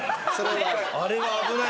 あれは危ないよな。